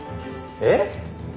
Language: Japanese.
えっ？